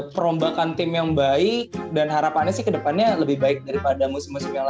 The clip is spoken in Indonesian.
perumahan itu kapal k fart fart itu abis ini sentiments dari w lamb your channel